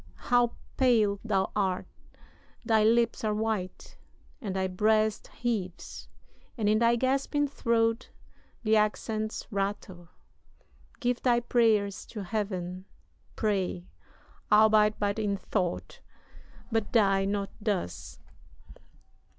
how pale thou art thy lips are white And thy breast heaves and in thy gasping throat The accents rattle. Give thy prayers to Heaven Pray albeit but in thought but die not thus.